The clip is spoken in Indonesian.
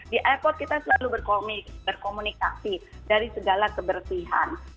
di airport kita selalu berkomunikasi dari segala kebersihan